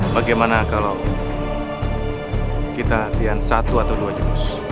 bagaimana kalau kita latihan satu atau dua jurus